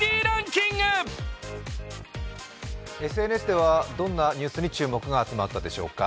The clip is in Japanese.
ＳＮＳではどんなニュースに注目が集まったでしょうか？